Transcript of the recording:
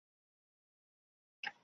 কিন্তু শক্তি লাভ করিলেই মুক্তি লাভ হয় না।